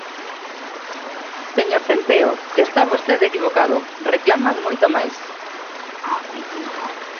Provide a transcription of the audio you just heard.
Señor Centeo, está vostede equivocado, reclaman moito máis.